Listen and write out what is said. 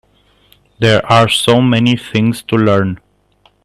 There are so many things to learn.